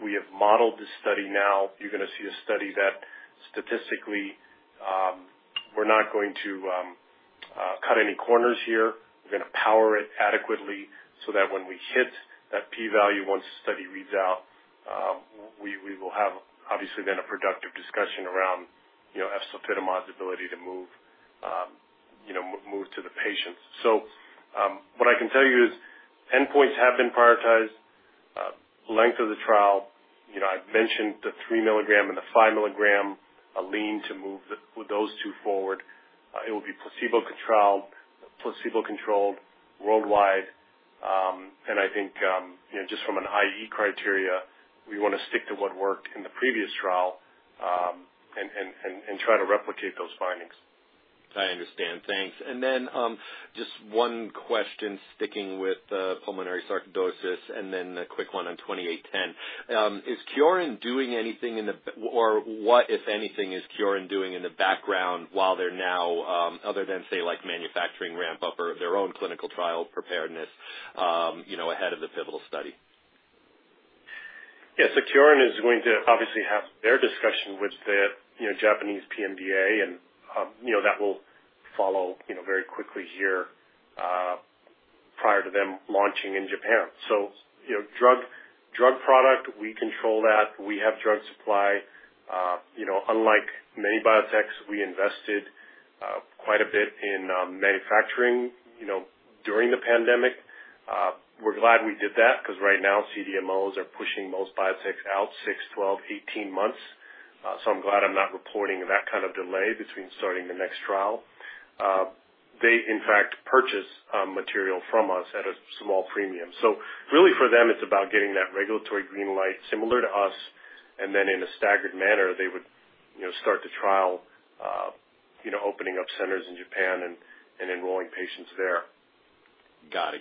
We have modeled the study now. You're gonna see a study that statistically, we're not going to cut any corners here. We're gonna power it adequately so that when we hit that P-value, once the study reads out, we will have, obviously, then a productive discussion around, you know, efzofitimod's ability to move, you know, to the patients. What I can tell you is endpoints have been prioritized. Length of the trial, you know, I've mentioned the 3 mg and the 5 mg, a plan to move those two forward. It will be placebo-controlled worldwide. I think, you know, just from an ILD criteria, we wanna stick to what worked in the previous trial, and try to replicate those findings. I understand. Thanks. Just one question sticking with pulmonary sarcoidosis and then a quick one on 2810. What, if anything, is Kyorin doing in the background while they're now other than, say, like manufacturing ramp-up or their own clinical trial preparedness, you know, ahead of the pivotal study? Yes. Kyorin is going to obviously have their discussion with the, you know, Japanese PMDA, and, you know, that will follow, you know, very quickly here, prior to them launching in Japan. You know, drug product, we control that. We have drug supply. You know, unlike many biotechs, we invested quite a bit in manufacturing, you know, during the pandemic. We're glad we did that 'cause right now CDMOs are pushing most biotechs out 6, 12, 18 months. I'm glad I'm not reporting that kind of delay between starting the next trial. They in fact purchase material from us at a small premium. Really for them, it's about getting that regulatory green light similar to us, and then in a staggered manner, they would, you know, start the trial, you know, opening up centers in Japan and enrolling patients there. Got it.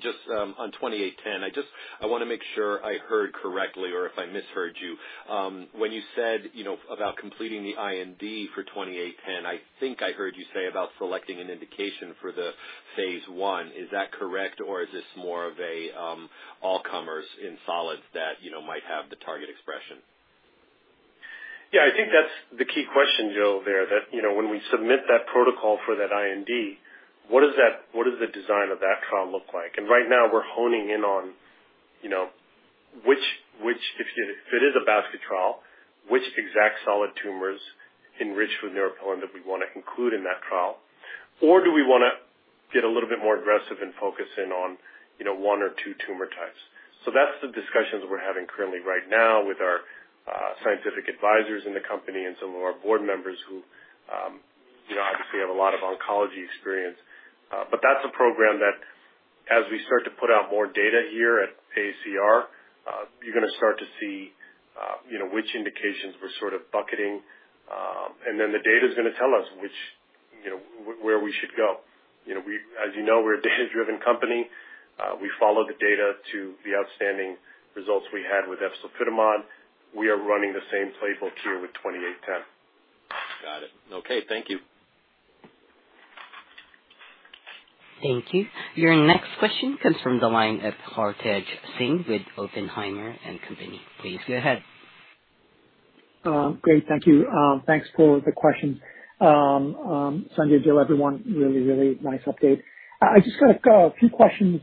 Just on ATYR2810, I wanna make sure I heard correctly or if I misheard you. When you said, you know, about completing the IND for ATYR2810, I think I heard you say about selecting an indication for the phase I. Is that correct, or is this more of a all comers in solids that, you know, might have the target expression? Yeah, I think that's the key question, Joe, you know, when we submit that protocol for that IND, what does the design of that trial look like? Right now we're honing in on, you know, which if it is a basket trial, which exact solid tumors enriched with Neuropilin-2 that we wanna include in that trial, or do we wanna get a little bit more aggressive in focusing on, you know, one or two tumor types. That's the discussions we're having currently right now with our scientific advisors in the company and some of our board members who, you know, obviously have a lot of oncology experience. That's a program that as we start to put out more data here at AACR, you're gonna start to see, you know, which indications we're sort of bucketing. The data is gonna tell us which, you know, where we should go. You know, as you know, we're a data-driven company. We follow the data to the outstanding results we had with efzofitimod. We are running the same playbook here with 2810. Got it. Okay. Thank you. Thank you. Your next question comes from the line of Hartaj Singh with Oppenheimer & Co. Please go ahead. Great. Thank you. Thanks for the question. Sanjay, Jill, everyone, really nice update. I just got a few questions.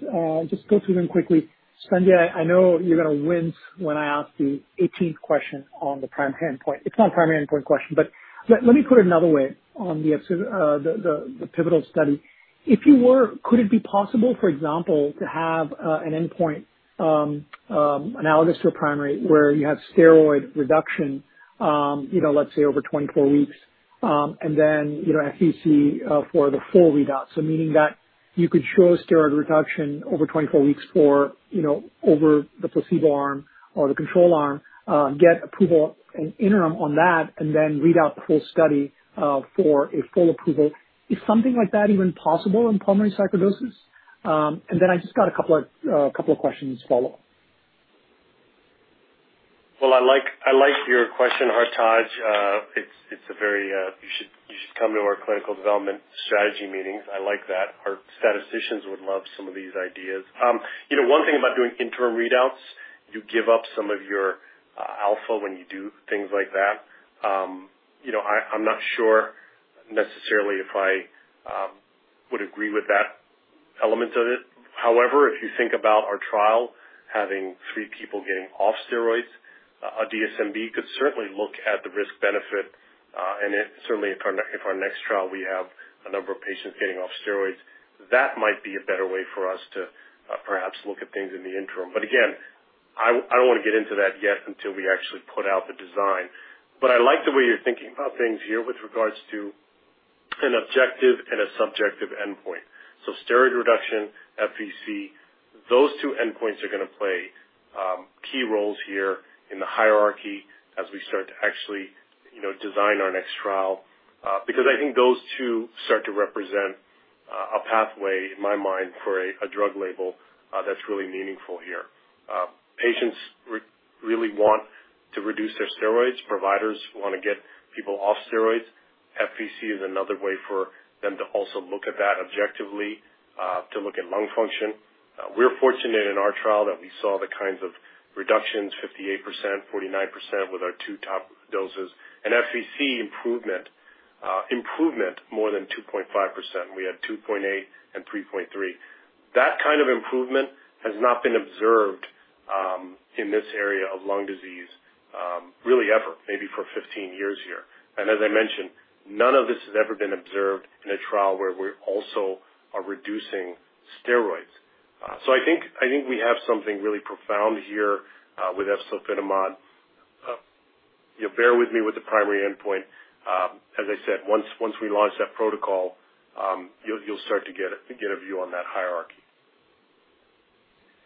Just go through them quickly. Sanjay, I know you're gonna wince when I ask the eighteenth question on the primary endpoint. It's not a primary endpoint question, but let me put it another way on the pivotal study. If you were, could it be possible, for example, to have an endpoint analogous to a primary where you have steroid reduction, you know, let's say over 24 weeks, and then, you know, FVC for the full readout. Meaning that you could show steroid reduction over 24 weeks for, you know, over the placebo arm or the control arm, get approval an interim on that, and then read out the full study, for a full approval. Is something like that even possible in pulmonary sarcoidosis? And then I just got a couple of questions to follow up. Well, I like your question, Hartaj. You should come to our clinical development strategy meetings. I like that. Our statisticians would love some of these ideas. You know, one thing about doing interim readouts, you give up some of your alpha when you do things like that. You know, I'm not sure necessarily if I would agree with that element of it. However, if you think about our trial having three people getting off steroids, a DSMB could certainly look at the risk-benefit, and if our next trial, we have a number of patients getting off steroids. That might be a better way for us to perhaps look at things in the interim. Again, I don't wanna get into that yet until we actually put out the design. I like the way you're thinking about things here with regards to an objective and a subjective endpoint. Steroid reduction, FVC, those two endpoints are gonna play key roles here in the hierarchy as we start to actually, you know, design our next trial, because I think those two start to represent a pathway in my mind for a drug label that's really meaningful here. Patients really want to reduce their steroids. Providers wanna get people off steroids. FVC is another way for them to also look at that objectively to look at lung function. We're fortunate in our trial that we saw the kinds of reductions, 58%, 49% with our two top doses and FVC improvement more than 2.5%. We had 2% and 3.3%. That kind of improvement has not been observed in this area of lung disease really ever, maybe for 15 years here. As I mentioned, none of this has ever been observed in a trial where we're also reducing steroids. I think we have something really profound here with efzofitimod. You know, bear with me with the primary endpoint. As I said, once we launch that protocol, you'll start to get a view on that hierarchy.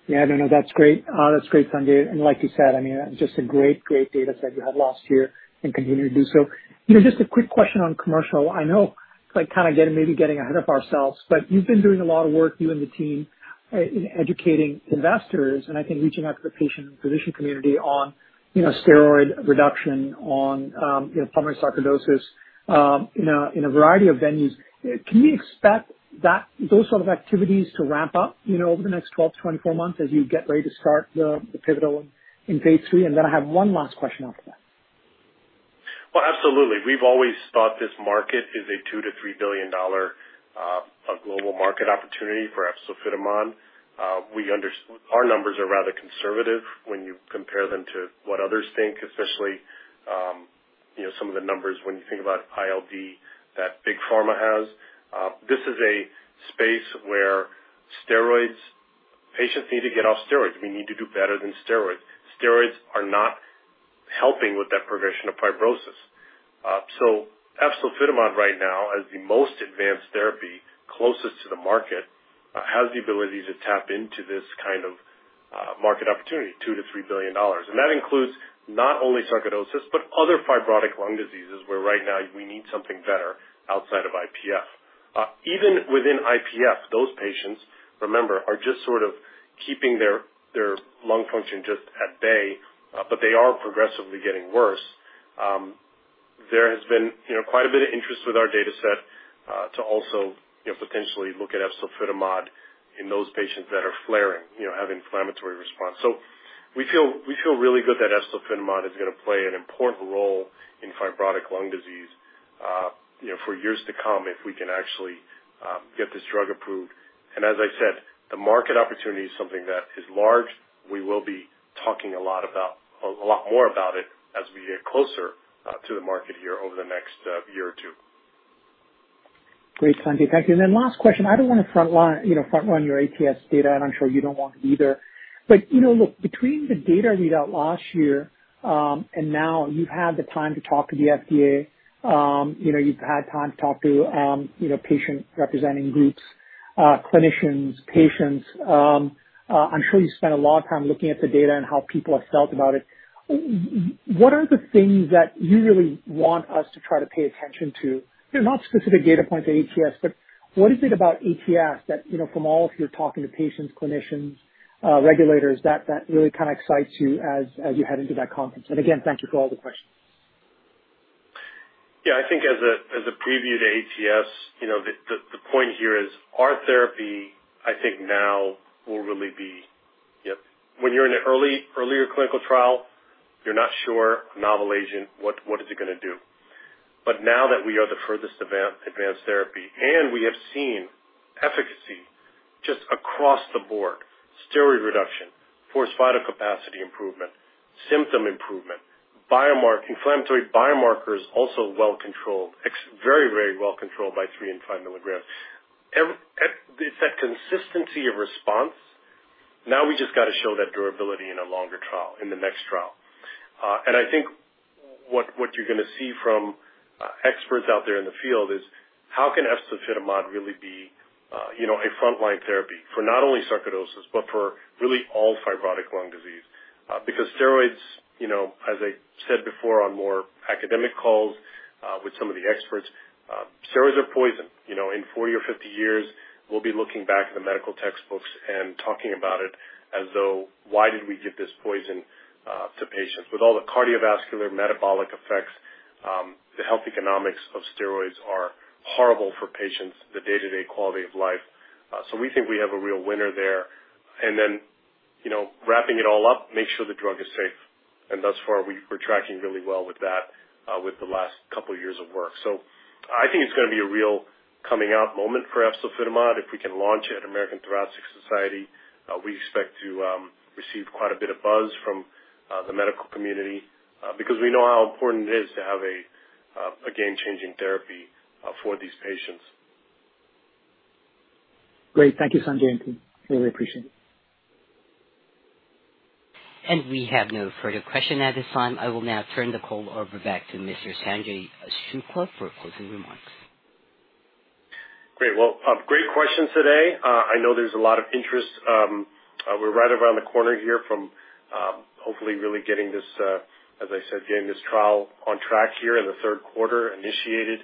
Yeah, no, that's great. That's great, Sanjay. Like you said, I mean, just a great data set you had last year and continue to do so. You know, just a quick question on commercial. I know it's like kinda getting ahead of ourselves, but you've been doing a lot of work, you and the team, in educating investors and I think reaching out to the patient and physician community on, you know, steroid reduction on, you know, pulmonary sarcoidosis, in a variety of venues. Can you expect that those sort of activities to ramp up, you know, over the next 12-24 months as you get ready to start the pivotal in phase III? Then I have one last question after that. Well, absolutely. We've always thought this market is a $2 billion-$3 billion global market opportunity for efzofitimod. Our numbers are rather conservative when you compare them to what others think, especially some of the numbers when you think about ILD that big pharma has. This is a space where steroids. Patients need to get off steroids. We need to do better than steroids. Steroids are not helping with that progression of fibrosis. Efzofitimod right now as the most advanced therapy closest to the market has the ability to tap into this kind of market opportunity, $2 billion-$3 billion. That includes not only sarcoidosis, but other fibrotic lung diseases, where right now we need something better outside of IPF. Even within IPF, those patients, remember, are just sort of keeping their lung function just at bay, but they are progressively getting worse. There has been, you know, quite a bit of interest with our data set, to also, you know, potentially look at efzofitimod in those patients that are flaring, you know, have inflammatory response. We feel really good that efzofitimod is gonna play an important role in fibrotic lung disease, you know, for years to come if we can actually get this drug approved. As I said, the market opportunity is something that is large. We will be talking a lot more about it as we get closer to the market here over the next year or two. Great, Sanjay. Thank you. Last question. I don't wanna front-run, you know, front run your ATS data, and I'm sure you don't want to either. You know, look, between the data readout last year, and now you've had the time to talk to the FDA, you know, you've had time to talk to, you know, patient representative groups, clinicians, patients. I'm sure you spent a lot of time looking at the data and how people have felt about it. What are the things that you really want us to try to pay attention to? You know, not specific data points at ATS, but what is it about ATS that, you know, from all of your talking to patients, clinicians, regulators that really kinda excites you as you head into that conference? Again, thank you for all the answers. Yeah. I think as a preview to ATS, you know, the point here is our therapy, I think now will really be. You know, when you're in the earlier clinical trial, you're not sure a novel agent, what is it gonna do? But now that we are the furthest advanced therapy, and we have seen efficacy just across the board, steroid reduction, forced vital capacity improvement, symptom improvement, inflammatory biomarkers also well controlled. Very, very well controlled by 3 and 5 milligrams. It's that consistency of response. Now we just gotta show that durability in a longer trial, in the next trial. I think what you're gonna see from experts out there in the field is how efzofitimod can really be, you know, a frontline therapy for not only sarcoidosis, but for really all fibrotic lung disease. Because steroids, you know, as I said before, on more academic calls, with some of the experts, steroids are poison. You know, in 40 or 50 years, we'll be looking back in the medical textbooks and talking about it as though, why did we give this poison to patients with all the cardiovascular metabolic effects. The health economics of steroids are horrible for patients, the day-to-day quality of life. We think we have a real winner there. You know, wrapping it all up, make sure the drug is safe. Thus far, we're tracking really well with that, with the last couple years of work. I think it's gonna be a real coming out moment for efzofitimod. If we can launch it at American Thoracic Society, we expect to receive quite a bit of buzz from the medical community, because we know how important it is to have a game-changing therapy for these patients. Great. Thank you, Sanjay and team. Really appreciate it. We have no further question at this time. I will now turn the call back over to Mr. Sanjay Shukla for closing remarks. Great. Well, great questions today. I know there's a lot of interest. We're right around the corner here from, hopefully really getting this, as I said, getting this trial on track here in the third quarter, initiated.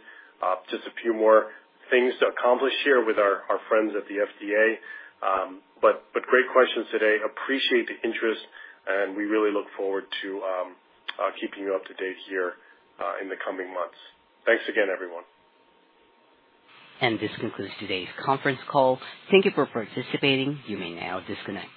Just a few more things to accomplish here with our friends at the FDA. But great questions today. Appreciate the interest, and we really look forward to keeping you up to date here in the coming months. Thanks again, everyone. This concludes today's conference call. Thank you for participating. You may now disconnect.